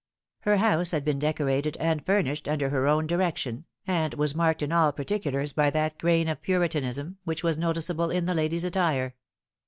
Her house had been decorated and furnished under her own direction, and was marked in all particulars by that grain of Puritanism which was noticeable in the lady's attire.